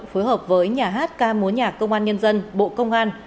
phối hợp với nhà hát ca mối nhạc công an nhân dân bộ công an